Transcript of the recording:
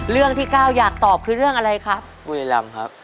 เรื่องที่ก้าวอยากตอบคือเรื่องอะไรครับ